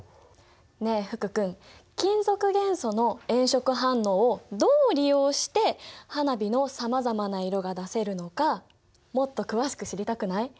ねえ福君金属元素の炎色反応をどう利用して花火のさまざまな色が出せるのかもっと詳しく知りたくない？